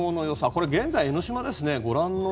これは現在の江の島ですね。